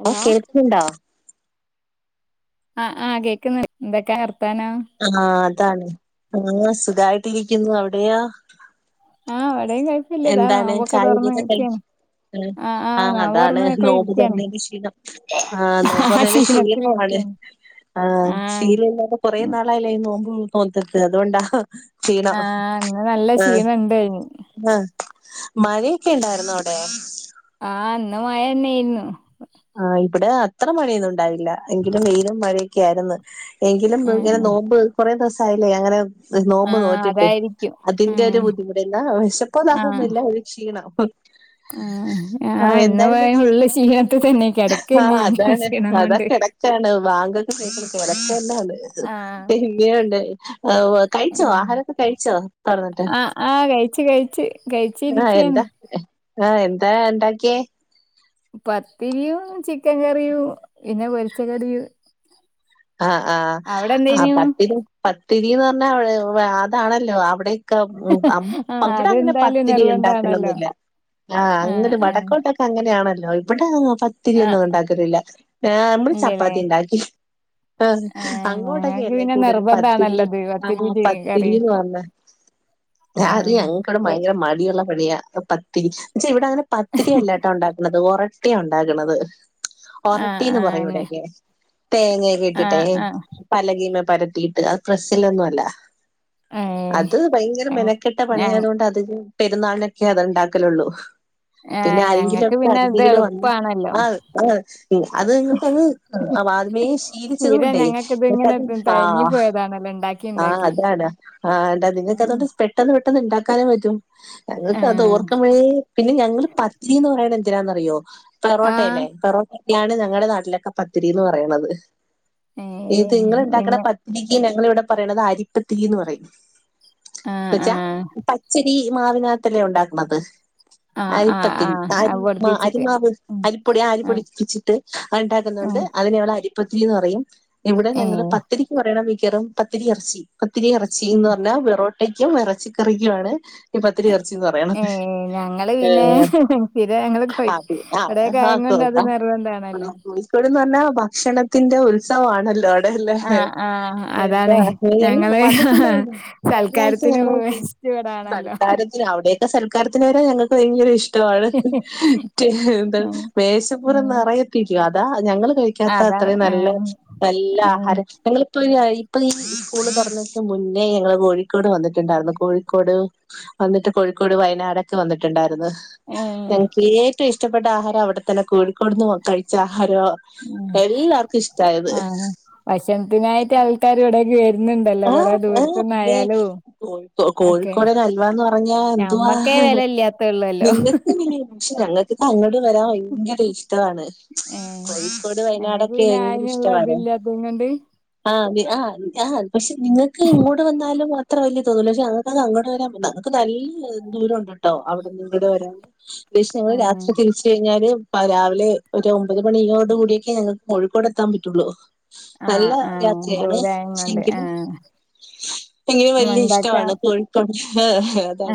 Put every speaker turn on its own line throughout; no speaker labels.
Hello
കേൾക്ക്ണ്ടോ?
ആഹ്, ആഹ് കേക്ക്ന്ന് എന്തൊക്കാ വർത്താനം.
ആഹ്, അതാണ്. ആഹ് സുഖായ്ട്ടിരിയ്ക്കുന്നു. അവിടെയോ?
ആഹ്, വടെയും കൊയ
എന്താണ്, ചായൊടിയൊക്കെ കയ് [unintelligible] ആഹ്, ആഹ്
നോമ്പ്
അതാണ്
തുറന്നൊക്കെ
നോമ്പ്
ഇരിക്കാണ്
തൊർന്നേന്റെ ഷീണം. ആഹ്, നോമ്പ് തൊർന്നാല് ഷീണവാണ്.
ഉം.
ആഹ്, ശീലല്ലാതെ കൊറേ നാളായല്ലേ ഈ നോമ്പ് നോ [unintelligible] അതോണ്ടാ.
ആഹ്, ന്ന് നല്ല ഷീണണ്ടെയ്ന്.
ആഹ് മഴയൊക്കെണ്ടായിര്ന്നവടെ?
ആഹ്, ന്ന് മഴന്നെയ്ര്ന്നു.
ആഹ്, ഇവിടെ അത്ര മഴയൊന്നുണ്ടായില്ല. എങ്കിലും വെയിലും മഴയൊക്കെ ആയിര്ന്ന്. എങ്കിലും ബ് ങ്ങനെ
ഉം
നോമ്പ് കൊറേ ദിവസായില്ലേ അങ്ങനെ നോമ്പ്
ആഹ്
നോറ്റിട്ട്
അതായിരിക്കും
അതിന്റെ
ഉം
ഒരു ബുദ്ധിമുട്ട് എന്നാ വിശപ്പോതാഹൊന്നുല്ല ഒരു ക്ഷീണം
ആ ആഹ് ഇന്ന്യാ ഉള്ള ക്ഷീണത്തി തന്നെ കിടക്ക് തന്നെയന ക്ഷീണം കൊണ്ട്
ചാണ് ബാങ്ങൊക്കെ പടക്ക തന്നാണ്
ആഹ്
എങ്ങെയുണ്ട് കഴിച്ചോ ആഹാരക്കെ കഴിച്ചോ തുറന്നിട്ട്
ആഹ് ആഹ് കഴിച്ച് കഴിച്ച്
ആഹ്
കഴിച്ചിരിക്കയാണ്
എന്താ ആഹ് എന്താ ഉണ്ടാക്കിയേ
പത്തിരിയും ചിക്കൻ കറിയും പിന്നെ പൊരിച്ച കറിയും
ആഹ് ആഹ് ആ
എന്തേനു
പത്തിരി പത്തിരിന്ന് പറഞ്ഞാടെ അതാണല്ലോ അവിടെ
ആഹ്
അവിടെ അങ്ങനെ
അതെന്തായാലും
പത്തിരി
നിർബന്ധാണല്ലോ
ഉണ്ടാക്കണൊന്നില്ല ആ
ആഹ്
അങ്ങനെ
ആഹ്
വടക്കോട്ടക്കെ അങ്ങനെയാണല്ലോ ഇവിടെ
ആഹ്
പത്തിരിയൊന്നും ഉണ്ടാക്കറില്ല നമ്മള്
ഇല്ലല്ലേ
ചപ്പാത്തി ഇണ്ടാക്കി ആ
ആഹ്
അങ്ങോട്ടൊക്കെ
ഞങ്ങക്ക്
അല്ലേ
പിന്നെ
കൂടുതലും പത്തിരി
നിർബന്ധാണല്ലോ ഇത് പത്തിരിയും
ആഹ്
ചി കറിയും
പത്തിരിീന്ന് പറഞ്ഞ
ആഹ്
ആറിയ ടെ
പൊ
ഭയങ്കര മടിയുള്ള പണിയാ പത്തിരി പച്ച ഇവിടെ അങ്ങനെ പത്തിരിയല്ല കേട്ടോ ഉണ്ടാക്കണുന്നത് റേ ഒട്ടിയ ഉണ്ടാകുന്നത്
ആഹ്
ഒറട്ടിന്ന് പറയയും
ആഹ്
ഇവിടെൊക്കെ തേങ്ങയൊക്കെ ഇട്ടിട്ടേ
ആഹ് ആഹ്
പലകീമ പരത്തിയിട്ട് അ ഫ്രസ്സിലൊന്നുമ അല്ല
ഏഹ്
അത് ഭയങ്കര മെനക്കെട്ട
ഞ
പണി ആയതുകൊണ്ട് അതി പെരുന്നാളിനൊക്കെ അത് ഉണ്ടാക്കലുള്ളൂ പിന്നെ
ഏഹ്
ആരെങ്കിലും
ഞങ്ങക്ക്
ഒക്ക
പിന്നെ ഇത്
അതിഥികള് വന്ന്
എളുപ്പാണല്ലോ
ആ ആ അത് നിങ്ങക്ക്ത് വരുമേ ശീല
സ്ഥിരം
ണ്ട
ഞങ്ങക്ക് ഇത് ഇങ്ങനെ
ആ
തയങ്ങി പോയതാണല്ലോ ഇണ്ടാക്കി
ആഹ്
ഇണ്ടാക്കി
അതാണ് ആഹ് നിങ്ങക്ക്തണ്ട് പെട്ടെന്ന് പെട്ടെന്ന് ഉണ്ടാക്കാനേ പറ്റും ഞങ്ങൾക്ക് അത്
ആഹ്
ഓർക്കുമ്പോഴേ പിന്നെ ഞങ്ങള് പത്തിന്ന് പറയണ പത്തിരന്ന്റിയോ
ആഹ്
പെറോട്ടയല്ലെ പെറോട്ടക്കെയാണ് ഞങ്ങളുടെ നാട്ടിലൊക്കെ പത്തിരി എന്ന് പറയണത് ഇത്
ഏഹ്
നിങ്ങുണ്ടാക്കണ
പിന്നെ
പത്രികയും ഞങ്ങൾ ഇവിടെ പറയണത് അരിപ്പത്ത്രീന്ന് പറയയും എന്ന
ആഹ്
വെച്ചാ
ആഹ്
പച്ചരി മാവിനകത്തല്ലേ ഉണ്ടാക്കണത്
ആഹ് ആഹ്
അരിപ്പത്തിന്
ആഹ് അത്
അരി
പൊടിപ്പിച്ചിട്ട്
അരിമാവ്
ഉം
അരിപ്പൊടി ആരിപ്പൊടി
ആഹ്
പിരിച്ചിട്ട് ഉണ്ടാക്കുന്നുണ്ട്
ആഹ്
അതിനെ അവടെ അരി പത്തിരി എന്ന് പറയും ഇവിടെ ഞങ്ങള്
ഏഹ്
പത്തിരിക്ക് പറയണ കയറും പത്തിരി ഇറച്ചി ഉപ്പത്തിരി
ഉം
ഇറച്ചിന്ന് പറഞ്ഞാ വെറോട്ടക്കും ഇറച്ചിക്കറിക്കുമാണ് ഇപ്പത്തിരി ഇറച്ചിന്ന് പറയണത്
ഏഹ് ഞങ്ങള്
ഏ
പിന്നെ സ്ഥിരം ഞങ്ങള് കൊയ്
ആത് ആ
ഇവിടെ കായം
ആക്ക
കൊണ്ട് അത് നിർബന്ധാണല്ലോ
കോഴിക്കോട്ന്ന് പറഞ്ഞാ ഭക്ഷണത്തിന്റെ ഉത്സവ ആണല്ലോ
ആ ആഹ് അതാണ് ഞങ്ങള് ആ
വന്നിട്ടുണ്ടായിരുന്നു കഴിഞ്ഞ ആഴ്ച
സൽക്കാരത്തിന്
ഞങ്ങള്
പോ ടാണല്ലോ
സൽക്കാരത്തിന് അവിടെയക്കെ സൽക്കാരത്തിന് വരെ ഞങ്ങക്ക് ഭയങ്ക ഇഷ്ടം ഇത്രറ്റ എന്ത
ഉം
മേശപ്പൂർന്ന്
ഉം
അറിയത്തില്ലോ അതാ ഞങ്ങൾ കഴ പിക്കാത്ത
അതാണ്
അത്രയും നല്ല
ആഹ്
നല്ല
ഏഹ്
ആഹാരം ഞങ്ങളിപ്പോ ഇപ്പ നീ സ്കൂള് പറഞ്ഞതിന് മുന്നേ ഞങ്ങള് കോഴിക്കോട് വന്നിട്ടുണ്ടായിരുന്നു കോഴിക്കോട് വന്നിട്ട് കോഴിക്കോട് വയനാടൊക്കെ വന്നിട്ടുണ്ടായിരുന്നു
ഏഹ്
ഞങ്ങക്ക് ഏറ്റവും ഇഷ്ടപ്പെട്ട ആഹാരം അവിടെത്തന്നെ കോഴിക്കോട്ന്ന് കഴിച്ച ആഹാരമ
ആ ഭക്ഷണത്തിനായിട്ട് ആൾക്കാർ ഇവിടക്ക് വര ണ്ടല്ലോ കൊറ
ആഹ് ആഹ് പിന്നെ
ദൂരത്തന്നായാലും
കോഴിക്കോ
ക്കെ
കോഴിക്കോടൻ ഹൽവാന്ന് പറഞ്ഞാ
നമ്മക്കേ വില ഇല്ലാത്ത ഉള്ളല്ലോ
പക്ഷ ഞങ്ങൾക്ക് അങ്ങോട്ട വരാൻ ഭയങ്കര ഇഷ്ട്ടാണ്
ഏഹ്
കോഴിക്കോട് വയനാടൊക്കെ ഭയങ്കര ഇഷ്ടമാോ
എങ്ങണ്ട്
ആഹ് ആഹ് ആഹ് പക്ഷെ നിങ്ങൾക്ക് ഇങ്ങോട്ട് വന്നാലും മാത്രം വലിയ തോന്നല പക്ഷെ അങ്ങൾക്ക അത് അങ്ങോട്ട വരാങ്ങൾക്ക് നല്ല ദൂരം ഉണ്ടോ കേട്ടോ അവിടെ നിങ്ങടെ വരാൻ
ഏഹ്
രാത്രി തിരി കഴിഞ്ഞാല് രാവിലെ ഒരു ഒമ്പത് മണിയോട് കൂടിയൊക്കെ ഞങ്ങൾക്ക് കോഴിക്കോട് എത്താൻ പറ്റുള്ളൂ നല്ല
ആഹ് ആഹ്
യാത്രയാണ്
ദൂരായങ്ങോണ്ട്
പക്ഷെങ്കിലും
ആഹ് മണ്ടാക്കാം
എങ്ങനെവല്യഇഷ്ട്ടാണ് കോഴിക്കോട്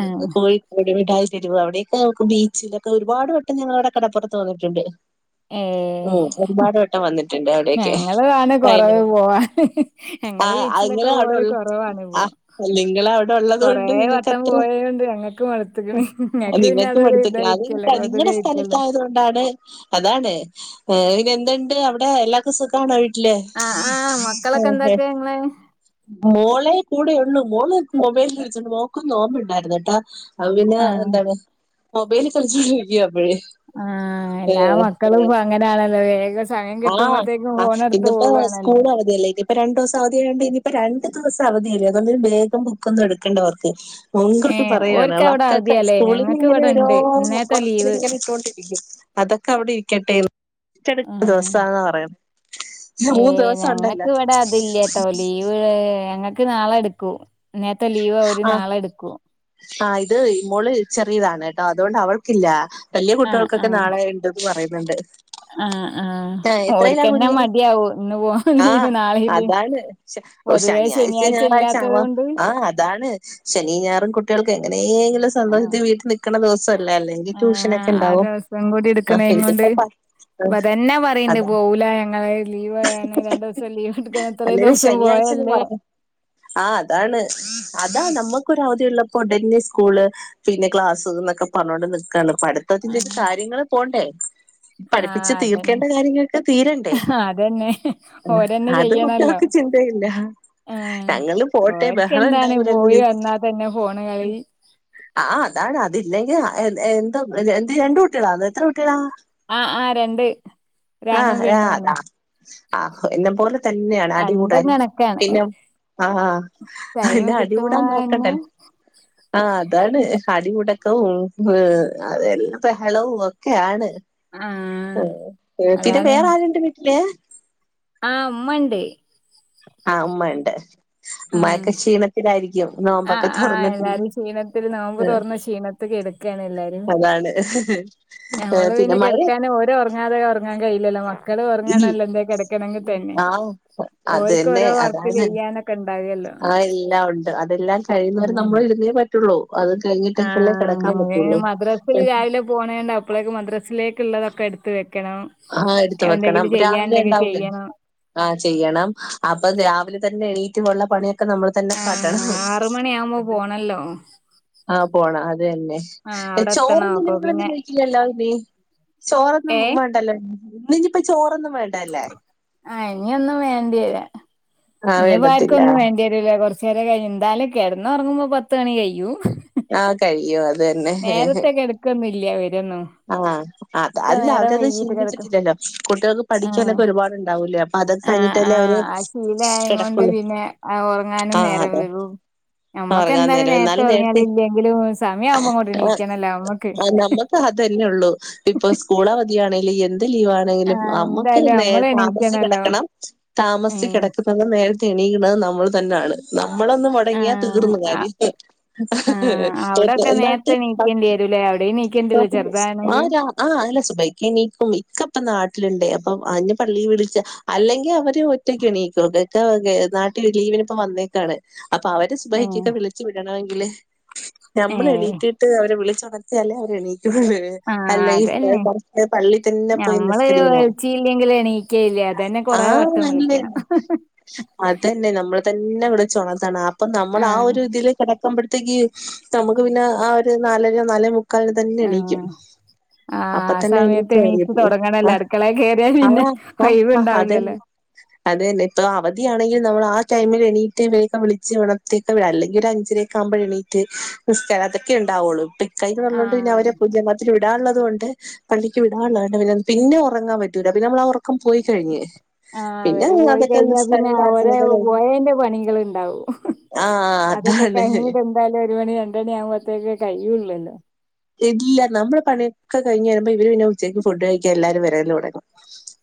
ആഹ്
അവിടെമിട്ടായി തെരുവ് അവിടെക്കെ ബീച്ചിലൊക്കെഒരുപാട് വട്ടംഞങ്ങളവിടെകടപ്പുറത്ത് വന്നിട്ടുണ്ട്
ഏ
ഉം ഒരുപാട് വട്ടം വന്നിട്ടുണ്ട് അവിടെയൊക്കെ
ഞങ്ങളതാണ് കൊറവ് പോവാൻ ഞങ്ങള് വി
അയ്ങ്ങള്അവിടൊള്ള് ആ നിങ്ങളവ്
കൊറേ
ടൊള്ളൊത്കൊണ്ട്
വട്ടം
ഇങ്ങക്കത്ര
പോയോണ്ട് ഞങ്ങക്ക് മടുത്ത്ക്ക്ണ് ഇങ്ങക്ക് പിന്നെ
നിങ്ങക്ക്
അതൊരു
മട്ത്ത്ക്ക്‌ളാ
ഇതായിരിക്കല്ലോ
നിങ്ങടെസ്
കൗതുകായിരിക്കല്ലോ
ത്തലത്തായത്കൊണ്ടാണ് അതാണ് പിന്നെ എന്തുണ്ട് അവിടെ എല്ലാർക്കും സുഖാണോ വീ
ആ ആ മക്കളൊക്കെ എന്തൊക്കെ ങ്ളെ
മോളെകൂടെയൊള്ളൂ മോള് മൊബൈൽ വിൾച്ചണ്ട് മോക്കും നോമ്പ്ണ്ടായിരെന്ന്ട്ടാ അഹ് പിന്നെ
ആഹ്
എന്താണ് മൊബൈലിൽ കളിച്ചോണ്ടിരിക്ക അപ്പഴേ
ആ എല്ലാ
ഏഹ്
മക്കളും പ്പങ്ങനാണല്ലോ വേഗസ്
ആ അ ഇന്നിപ്പോസ്കൂളിനവധിയല്ലേ ത് ഇപ്പൊ രണ്ടൂസം അവധിയായൊണ്ട് ഇനിയിപ്പൊ രണ്ട് ദിവസംഅവധിയല്ലെ അതോണ്ട് ബേഗും ബുക്കൊന്നും എടുക്കണ്ടവർക്ക്
ഏഹ്
മുൻകൂട്ടിപറയാണ്
ഓര്ക്ക് അവിടെ
വക്കക്ക്
അവധിയാല്ലേ
സ്കൂള്ന്ന്
ഞങ്ങക്ക്
ങ്ങനെ
ഇവിടെ
ഓരോ
ഇണ്ട് ഇന്നേത്തെ ലീവ്
വർക്ക്ങ്ങനെ ഇട്ടോണ്ടിരിക്കും അതൊക്കെ അവ്ടെ ഇരിക്കട്ടെന്ന് ച്ചേ ത്ത്
ആഹ്
ദിവസാന്ന പറയണ് മൂന്ന്ദിവസൊണ്ടല്ലോ
ട്ടൊ ലീവ് ഞങ്ങക്ക് നാളെ എടുക്കും ഇന്നേത്തെ ലീവ് അവര് നാളെഎടുക്കൂ
ആ ഇത് ഈ മോള് ചെറീതാണ് ട്ടോ അതുകൊണ്ട് അവൾക്കില്ല വല്യ
ആഹ്
കുട്ടികൾക്കൊക്കെ നാളെഇണ്ട് ന്ന് പറയുന്നുണ്ട്
ആ
ആഹ്
ആ
എത്രയിലാ
ഓല്ക്കെന്നെ
കുഞ്ഞ്
മടിയാവുംഇന്ന് പോവാ
ആഹ്
ലീവ് നാളേം ലീ
അതാണ് ശ
പൊതുവേ ശനിയാഴ്ച ഇല്ലാത്തത് കൊണ്ട്
ആ അതാണ് ശെനിഞാറും കുട്ട്യോൾക്ക് എങ്ങനേങ്കിലും
ആഹ്
സന്തോഷത്തി വീട്ടിനിക്ക്ണദിവസല്ലേല്ലെ
ആഹ് ആ
ട്യൂഷനെക്കെണ്ടാവും മക്കക്കിപ്പൊപ
പ്പതന്നെപറയണ്ട് പോവുല ഞങ്ങള് ലീവ് വേണംരണ്ടുസം ലീവ്എടുക്ക ഇത്രേം ദിവസം പോയല്ലേ
ആ അതാണ് അതാ നമ്മക്കൊരവധിള്ളപ്പോ ഡെന്നി സ്കൂള് പിന്നെ ക്ലാസ്സ് ന്നൊക്കെ പറഞ്ഞോണ്ട് നിക്കാണ് പഠിത്തത്തിന്റെ
ആഹ്
കാര്യങ്ങള് പോണ്ടേ പഠിപ്പിച്ച്
ആഹ് അതന്നെ
തീർക്കേണ്ട കാര്യങ്ങൾക്ക് തീരണ്ടേ
അതന്നെ ഓരന്നെ
അത്
ചെയ്യണല്ലോ
കുട്ട്യേൾക്ക് ചിന്തയില്ലാ ഞങ്ങള്പോട്ടേ ബ
എന്താണ് പോയി വന്നാ തന്നെ ഫോണ് കളി
അ ആ അതാണ് അതില്ലെങ്കി എന്തഎന്താ എന്ത് രണ്ട്ട്ടികളാ എത്രട്ടികളാ?
ആ ആ രണ്ട്
ആ
ഒരാണും പെണ്ണു ആണ്
രാതാ അ എന്നെ പോലതന്നേണ്
രണ്ടും
അടികൂടാന്
കണക്കാണ്
പിന്നെ ആ ആ അല്ല
ടൈമ് കിട്ടുമ്പോ
അടികൂടാൻ
തന്നെ
നോക്കണ്ടൽ ആ അതാണ് അടി മുടക്കവും ഹ് അതെല്ലാം ബഹളവും ഒക്കെ ആണ്
ആഹ്
ഹ് പിന്നെ വേറെ ആരുണ്ട് വീട്ടില്
ആ ഉമ്മണ്ട്
ആ ഉമ്മ ണ്ട്
ആഹ്
ഉമ്മയൊക്കെ ക്ഷീണ ത്തിലായിരിക്കും നോമ്പൊക്കെ
ആഹ് ആഹ്
തൊറന്നിട്ട്
എല്ലാരും ക്ഷീണത്തിൽ നോമ്പ്
ഏ
തുറന്ന് ക്ഷീണത്ത് കെടക്കാണ് എല്ലാരും
അതാണ് ഏ പിന്നെ മഴെ
തെ ഒറങ്ങാതെ ഒറങ്ങാൻ കഴിയില്ലല്ലോ മക്കള് ഒറങ്ങണല്ലൊ ന്തേ കെട ക്കണങ്ങി തന്നെ
ആഹ്
ഓൽക്ക്
അതന്നെ
ഓരോ വർക്ക്
അതാണ്
ചെയ്യാന
ആ എല്ലാ ഉണ്ട് അതെല്ലാം കഴിയുന്നവരെ
ഉം
നമ്മളിരുന്നേ പറ്റൊള്ളൂ അത്
ആഹ്
കെഴിഞ്ഞിട്ടേക്കല്ലേ കെടക്കാൻ പറ്റൊള്ളൂ ഉം
പോണേണ്ട അപ്പളേക്ക് മദ്രസിലേക്ക് ള്ളതൊക്കെ എട്ത്ത് വെക്കണം
ആ എട്ത്ത് വെക്കണം
എന്തെങ്കിലും
രാവിലെ
ചെയ്യാണ്ടെങ്കി
ണ്ടാവൂലേ
ചെയ്യണം.
ആ ചെയ്യണം അപ്പം രാവിലെതന്നെ എണീറ്റ് ഒള്ള പണിയൊക്കെ നമ്മള് തന്നെ
ആഹ്
കാട്ടണം
ആറ് മണിയാവുമ്പോ പോണല്ലോ
ആ പോണം അതെന്നെ
ആഹ്
എ
അവിടെ എത്തണം
ചോറൊന്നും
അപ്പൊ പിന്നെ
നിങ്ങളൊന്നും കഴിക്കില്ലല്ലോ അതെന്തേ ചോറൊന്നും
ഏഹ്
വാണ്ടല്ലേ നിങ്ങളിനിപ്പൊ ചോറൊന്നും വേണ്ടാല്ലെ
ആ ഇഞി ഒന്നും വേണ്ട്യേര
ആ
ഇഞിപ്പൊ
വേണ്ടത്തില്ല
ആർക്കൊന്നും വേണ്ടി ഇല്ല കൊറച്ചേരം കഴും ന്താലും കെടന്ന് ഒറങ്ങുമ്പൊ പത്ത് മണി കയ്യും
ആഹ് കയ്യും അതെ
നേരത്തെ കെടക്കൊന്നുല്ല ഇവരൊന്നും
ആഹ് ആഹ് ത്
ഒക്കെ
അല്ല
നേരം
അവരത്
വൈകീട്ട് കെടക്കും.
ചിന്തിചിട്ടില്ലലൊ കുട്ടീൾക്ക്
ആഹ്
പഠിക്കാനൊക്കെ ഒരുപാട് ണ്ടാവൂലെ
ആഹ് ആഹ് അഹ് ശീലായെ കൊണ്ട്
കിടക്കുള്ളൂ
പിന്നെ ഒറ്ങ്ങാനും
ആഹ്
നേരം
അതെ
വകും നമ്മക്ക്
ഉറങ്ങാൻ
എന്തയലും
നേരം
നേര്ത്തെ ഒറ്ങ്ങ്യാലും ഇല്ലെങ്കിലും സമയാ ആവുമ്പൊ കൊ
റസ് ആഹ് നമ്മക്ക് അതന്നെ ഉള്ളു ഇപ്പൊ സ്കൂളവധിയാണ് എന്ത് ലീവാ ന്നെങ്കിലു
ആഹ്
അമ്മക്ക്
എന്തായാലും
നേര്
നമ്മള്
താമസ്ച്ച്
എണീക്കണല്ലോ
കെടക്കണം താമസ്ച്
ഉം
കെട തന്ന് നേര്ത്തെ എണീക്ക്ണത് നമ്മൾ തന്ന ആണ് നമ്മളൊന്ന് മൊട
ആഹ്
തീർന്ന്
ആഹ്
കാര്യം [unintelligible]
ട്ടുലെ അയുടെയ്നി
[unintelligible] ആഹ് രാ അഹ് ആഹ് അതല്ല സുബ്ഹിക്ക് എണീക്കും ഇക്കപ്പ നാട്ടില്ണ്ട് അപ്പൊം ആള്നെ പള്ളീ വിളിച്ച് അല്ലെങ്കി അവര് ഒറ്റക്ക് എണീക്കും ഇക്ക നാട്ടിൽ ലീവിന് ഇപ്പ വന്നേക്കാണ് അപ്പൊ അവര്
ഏഹ്
സുബ്ഹികെക്കെ വിളിച്ചു വിടണവെങ്കില് ഞമ്മള്
ഏഹ്
എണീറ്റ് ട്ട് അവരെ വിളിച്ചൊണത്തി ആലെ അവര് എണീക്കുള്ളേ
ആഹ്
അല്ല ഈ
അതന്നെ
കറക്ട് പള്ളി തന്നെ പോയി
ഞമ്മള്
നിസ്കരി [unintelligible]
ഒച്ചിയില്ലെങ്കില് എണീക്കയില്ല അതന്നെ കൊറേ
ആഹ്
വട്ടം
നല്ലെ
വിളിക്കണം
അതെന്നെ നമ്മള് തന്നെ വിളിച്ച് ഒണത്തണം അപ്പൊ നമ്മള ആഹ് ഒര് ഇതില് കട പം മ്പട്ത്തേക്ക് നമുക്ക് പിന്നെ ആഹ് ഒര് നാലര നാലെ മുക്കാലിന് തന്നെ
ആഹ്
എണീക്കും
ആഹ് ആ
അപ്പൊ തന്നെ
സമയത്ത് എണീച്ച്
എണീകു
തൊടങ്ങണല്ലോ
ആഹ്
അടുക്കളേ കേറിയാ പിന്നെ
ആഹ് ആഹ് ആഹ്
ഒഴിവുണ്ടാവില്ലല്ലോ
അതെന്നെ അതെന്നെ ഇപ്പൊ അവധിയാണെങ്കിൽ നമ്മൾ ആഹ് ടൈമില് എണീറ്റ് ഇവരൊക്കെ വിളിച്ച് ഒണത്തി ക്കവ്ടെ അല്ലെങ്കി ഒര അഞ്ചരക്കാവുമ്പ ഴിണീറ്റ് നിസ്കാരം അതൊക്കെ ഇണ്ടാവൊള്ളു ഇപ ഇക്ക ക്ക വന്നൊണ്ട് പിന്നെ
ആഹ്
അവരെ പുതിയ [unintelligible] തിരി വിടാള്ളത് കൊണ്ട് പള്ളിക്ക് വിടാള്ള [unintelligible] പിന്നെ ഒറങ്ങാ പറ്റൂല പിന്നെ നമ്മളാ ഒറ ക്കം പോയി കഴിഞ്ഞ്
ആഹ്
പിന്നെ
അവര് പോയി
അതൊക്കെ
കഴ്ഞ്ഞ പിന്നെ
നിസ്കാരം
അവരെ
പ്രാർത്ഥനയൊക്കെ കഴിഞ്ഞ്
പോയേന്റെ പണികള് ണ്ടാവും
ആഹ് അതാണ്
ത് എന്തായാലും ഒര് മണി രണ്ട് മണി ആവുമ്പഴ്ത്തേക്ക് കയ്യുല്ലലൊ
ഇല്ല നമ്മള് പണിയൊക്ക കഴിഞ് ഇവര് പിന്നെ ഉച്ചക്ക് ഫുഡ്ഡ് കഴിക്കാ എല്ലാരും വരലൊടങ്ങും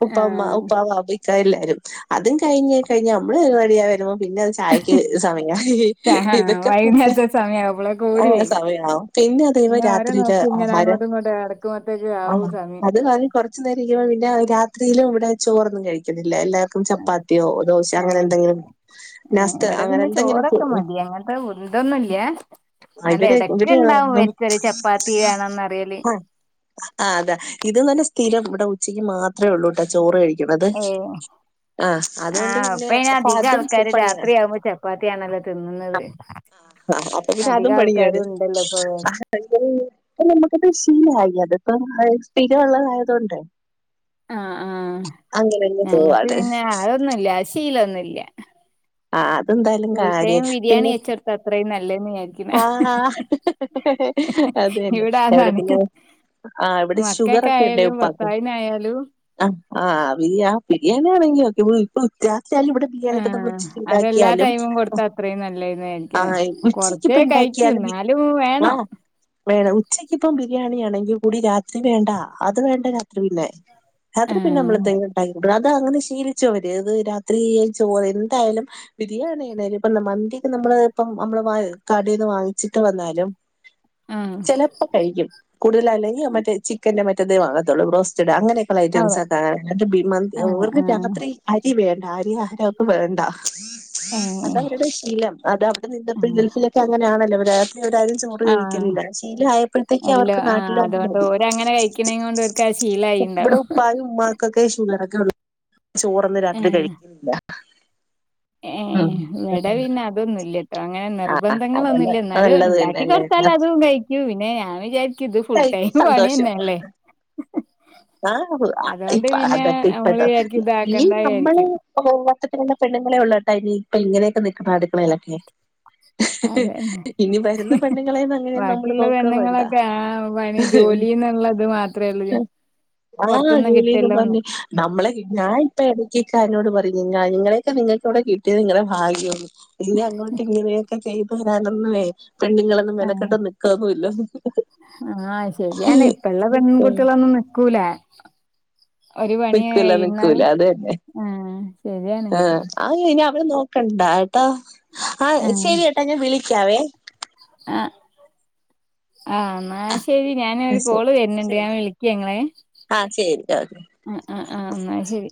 ഉപ്പാ ഉമ്മ ഉ പ്പാവ അത് ഇക്കാ എല്ലാരും അതും കഴിഞ് കഴിഞ ഞമ്മള് റെഡിയായി വരുമ്പൊ പിന്നെ അത് ചായ ക്ക് സമയായി
ആഹ്
ഇതൊക്കെ തന്നെ
വൈകുന്നേരത്തെ സമയം ആവുമ്പളേക്ക്
അങ്ങന സമയാവും പിന്ന അതേമാ രാത്
തെ നോക്കും ഇങ്ങനെ അങ്ങോട്ടും ഇങ്ങോട്ടും നടക്കുമ്പത്തേക്ക് ആവും സമി
കൊറ്ച്ചു നേരം [unintelligible] പിന്നെ രാത്രിയില് ഇവ്ടെ ചോറൊന്നും കഴിക്ക്ന്നില്ല എല്ലാ ക്കും ചപ്പാത്ത്യോ ദോശ അങ്ങനെ
ഏഹ്
എന്തെങ്കിലും നാസ്ത് അങ്ങനെ എന്തെങ്കിലും കൊ ഹൊ
ത ഉന്തൊന്നില്ലെ ന്നലും
ഇവര്
എടക്ക്
ഇവര്
ഇണ്ടാവും ഇവർക്കൊര് ചപ്പാത്തി വേണം ന്നറയല്
അഹ് അതെ ഇത് നല്ല സ്ഥിരം ഇവടെ ഉച്ചയ്ക്ക് മാത്രെ ഉള്ളൂട്ടൊ ചോറ് കഴി ക്ക്‌ണത്
ഏഹ്
ആഹ് അത്കൊണ്ട്
ആഹ്
പിന്നെ
ഇപ്പ അയിന്
അപ്പ
അധികം
അതും
ആൾക്കാര്
പണിയ
രാത്രിയാവുമ്പോ ചപ്പാത്തിയാണല്ലോ തിന്നുന്നത്
ആഹ് ആഹ് അപ്പ പിന്നെ അതും
അധികം
പണിയാണ്
ആൾക്കാരും ഉണ്ടല്ലോ ഇപ്പൊ
അഹ [unintelligible] അഹ് ഞമ്മക്കിപ്പൊ ശീലായി അതിപ്പ ഹൈ സ്ഥിര ഉള്ളതായതൊണ്ട്
ആഹ് ആഹ്
അങ്ങനെന്നെ പോവാണ്
ന്നുല്ല ശീലൊന്നുല്ല
ആഹ് അതെന്തായാലും
ഫുൾ
കാര്യാ
ടൈം ബിരിയാണി
പിന്നെ
വെച്ചൊടുത്ത അത്രയും നല്ലതെന്ന് വിചാരിക്കുന്ന
ആഹ് അത് എന്നെ
ഇവിടെ
എവടെ
അതാണ്.
പിന്നെ ആഹ് ഇവിടെ ഷുഗർ ഒക്കെണ്ടെ
മക്കൾക്കായാലും
ഉപ്പാക്ക്
ഭർത്താവിനായാലും
അഹ് ആഹ് ബിരിയാ ബിരിയാണി ആണെങ്കി ഒക്കെ രാത്രി [unintelligible] ഇവടെ ബിരിയാണി [unintelligible]
ഏഹ് അതെല്ലാ
ണ്ടാക്കിയാലും
ടൈമും കൊടുത്താ അത്രയും നല്ലതെന്ന് വിചാരിക്കണെ.
ആഹ്
കൊറച്ചേ
ഉച്ചക്കിപ്പൊ ഇണ്ടാ
കഴിക്കൂ
ക്ക്‌യാലും ഈ
എന്നാലും വേണം.
ആഹ് വേണം ഉച്ചക്കി പ്പം ബിരിയാണി ആണെങ്കിൽ കൂടി രാത്രി വേണ്ട അത് വേണ്ട രാത്രി പിന്നെ. രാത്രി പിന്നെ നമ്മെൾ
ആഹ്
എത്തെലും ഇണ്ടാക്കി അത് അങ്ങനെ ശീലിച്ചു അവര് അത് രാത്രി ചോറ് എ ന്തായാലും. ബിരിയാണി ഇപ്പ മന്തിക്ക് നമ്മള് ഇപ്പം നമ്മള് കടെന്ന് വാങ്ങിച്ചിട്ട് വന്നാലും.
ആഹ്
ചെലപ്പോ കഴിക്കും കൂടുതല അല്ലെങ്കിൽ മറ്റേ ചിക്കന്റെ മറ്റേതേ വാങ്ങത്തുള്ളൂ ബ്രോസ്റ്റഡ് അങ്ങനെ.
അതെ
ഐറ്റംസൊക്ക [unintelligible]
ആഹ്
ഓർക്ക്
ആഹ്
രാത്രി അരി വേണ്ട അരി ആഹാരയ്ട്ട് വേണ്ട. അത
ഏഹ്
അവരുടെ ശീലം അത് അവ്ടെ നിന്നപ്പോ
ആഹ്
ഗൽഫിലൊക്കെ അങ്ങനെയാണല്ലോ അവര്. ഇവരാരും ചോറ്
ആഹ്
കഴിക്കലില്ല ശീലം ആയപ്പോഴത്തേക്ക്
എല്ലോ
അവർക്ക്
ആഹ്
നാട്ടിലത്
അതുകൊണ്ട്
മതി.
ഓരങ്ങനെ കഴിക്കണേം കൊണ്ട് ഓൽക്കത്
ഇബടെ
ശീലായിണ്ടാവും.
ഉപ്പായും ഉമ്മാക്കൊക്കെ ഷുഗറൊക്കെ ഉള്ള ചോറൊന്നും രാത്രി കഴിക്കില്ല.
ഏഹ് വിടെ പിന്നെ അതൊന്നില്ല. അങ്ങനെ
അതന്നെ
നിർബന്ധങ്ങളളൊന്നില്ല ന്നാലു
നല്ലത്
ഇണ്ടാക്കി
തന്നെയല്ലേ
കൊട്ത്താൽ അതും കഴിക്കു പിന്നെ ഞാൻ വിചാര്
തയ്ക്ക് സന്തോഷം. ആഹ്
അതുകൊണ്ട് പിന്നെ
അതക്ക ഇപ്പ
നമ്മള് വിചാരിക്കും
ഈ
ഇതാക്കണ്ട
നമ്മളെ.
വിചാരിക്കും
[unintelligible] പെണ്ണ് ങ്ങള്ളെ ഒള്ള് ട്ടോ ഇനി ഇപ്പൊ ഇങ്ങനെയൊക്കെ നിക്ക്ണെ അടുക്കളേലൊക്കെ.
അതെന്നെ
വരുന്ന പെണ്ണുങ്ങളെയൊന്നും അങ്ങനെ നമ്മള്
വാക്കിയുള്ള
നോക്കാ വേണ്ട
പെണ്ണങ്ങളൊക്കെ ആ പണി. ജോലിന്നുള്ളത് മാത്രേ ഉള്ളു
ആഹ് ജോലിന്ന് പർഞ്ഞ്. നമ്മളെ ഞാനിപ്പെടക്കിക്കാനോട് പറയു നിങ്ങളെയൊക്കെ നിങ്ങൾക്ക ഇവിടെ കിട്ടിയത് നിങ്ങളുടെ ഭാഗ്യന്ന്. ഇനി അങ്ങോട്ട് ഇങ്ങിനെ ഒക്കെ ചെയ്ത് വരാന് ഒന്നുവേ പെണ്ണുങ്ങളൊന്നും മെനക്കെട്ട നിക്കാന്നുല്ലന്ന്.
ആഹ് ശരിയാണ് ഇപ്പ ള്ള പെൺൺകുട്ടികളൊന്നും നിക്കൂല. ഒരു പണി
നിക്കൂല
കഴ്ന്നാല്
നിക്കൂല അത്
ആഹ് ശരിയാണ്.
ആഹ് ഇനി അവിടെ നോക്കണ്ട ട്ടോ ആഹ് ശെരിയട്ടാ ഞാ വിളിക്കാവേ.
അ ആഹ് ആഹ് ശെരി ഞാൻ
ആ
ഒരു കോള് വര്ൻണ്ട് ഞാ വിളിക്കങ്ങളെ.
ആഹ് ശരി ഒകെ.
ആഹ് ആഹ് ആഹ് എന്നാ ശരി.